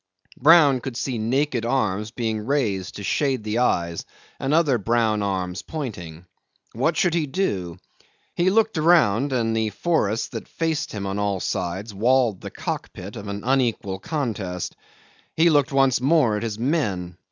Brown could see naked arms being raised to shade the eyes and other brown arms pointing. What should he do? He looked around, and the forests that faced him on all sides walled the cock pit of an unequal contest. He looked once more at his men.